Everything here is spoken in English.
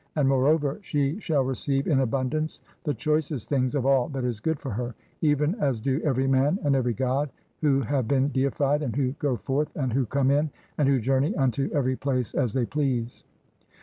And, moreover, she "shall receive in abundance the choicest things of all "that is good for her, even as do every man and "every god who have been deified, and who go forth "and who come in, and who journey unto every place "as they please."